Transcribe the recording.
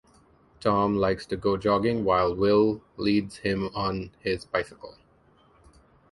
Tom likes to go jogging while Will leads him on his bicycle.